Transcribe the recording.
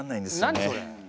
何それ。